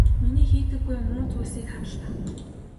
Миний хийдэггүй муу зүйлсийг хар л даа.